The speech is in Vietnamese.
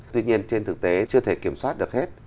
tuy nhiên trên thực tế chưa thể kiểm soát được hết